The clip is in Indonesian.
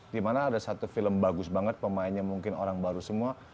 dimana ada satu film bagus banget pemainnya mungkin orang baru semua